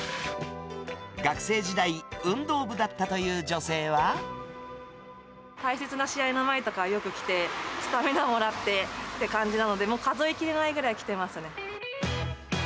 学生時代、大切な試合の前とか、よく来て、スタミナもらってって感じなので、もう数えきれないぐらい来てます